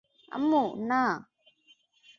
আম্মু, না!